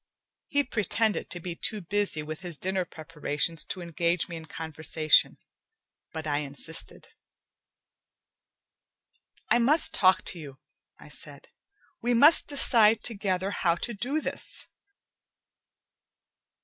He pretended to be too busy with his dinner preparations to engage me in conversation, but I insisted. "I must talk to you," I said. "We must decide together how to do this."